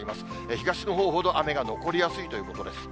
東のほうほど雨が残りやすいということです。